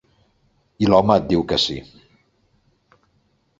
I l’home et diu que sí.